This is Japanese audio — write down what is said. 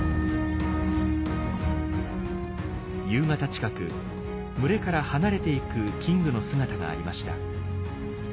夕方近く群れから離れていくキングの姿がありました。